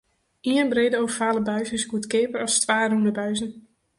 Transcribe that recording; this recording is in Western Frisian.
Ien brede ovale buis is goedkeaper as twa rûne buizen.